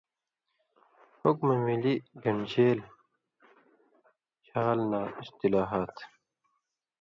حُکمہ مِلیۡ گن٘ڈژېل چھال ناں (اِصطِلاحات):